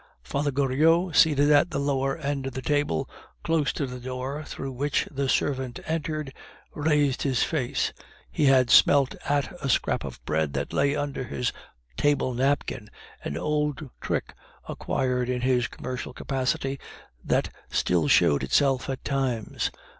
Father Goriot, seated at the lower end of the table, close to the door through which the servant entered, raised his face; he had smelt at a scrap of bread that lay under his table napkin, an old trick acquired in his commercial capacity, that still showed itself at times.